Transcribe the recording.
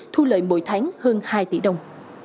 thu lợi mỗi tháng hơn hai tỷ đồng